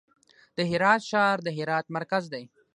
د هرات ښار د هرات مرکز دی